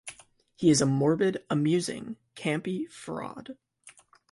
He is a morbid, amusing, campy fraud.